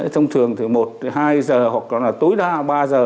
thông thường thì một hai giờ hoặc là tối đa ba giờ